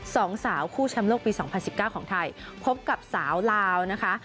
สองสาวคู่แชมป์โลกปี๒๐๑๙ของไทยพบกับสาวลาวนะคะ